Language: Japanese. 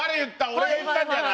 俺が言ったんじゃない？